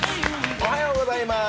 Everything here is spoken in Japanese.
おはようございます。